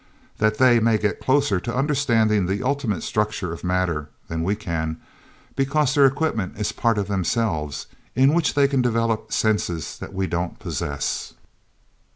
That they may get closer to understanding the ultimate structure of matter than we can, because their equipment is part of themselves, in which they can develop senses that we don't possess...